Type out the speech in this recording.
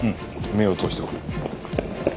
目を通しておく。